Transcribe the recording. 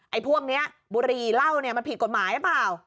พวกนี้บุรีเหล้าเนี่ยมันผิดกฎหมายหรือเปล่า